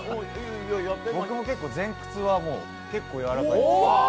僕も前屈は結構やわらかいです。